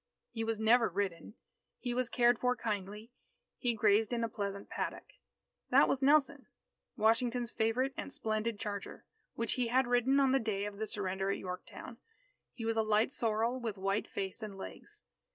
He was never ridden. He was cared for kindly. He grazed in a pleasant paddock. That was Nelson, Washington's favourite and splendid charger, which he had ridden on the day of the surrender at Yorktown. He was a light sorrel, with white face and legs.